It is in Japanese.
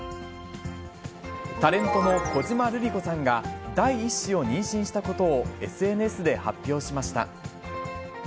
タレントの小島瑠璃子さんが第１子を妊娠したことをＳＮＳで発表しました。